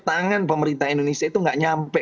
tangan pemerintah indonesia itu tidak sampai